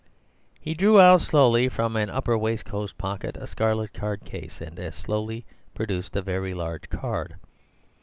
He drew out slowly from an upper waistcoat pocket a scarlet card case, and as slowly produced a very large card.